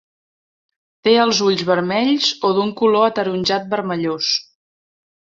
Té els ulls vermells o d'un color ataronjat vermellós.